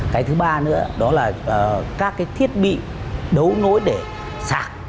cái thứ ba nữa đó là các cái thiết bị đấu nối để sạc